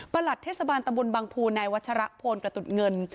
ประหลัดเทศบาลตำรวจบังภูในวัชรพลกระตุศเงิน